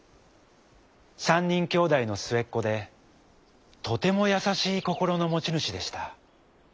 ３にんきょうだいのすえっこでとてもやさしいこころのもちぬしでした。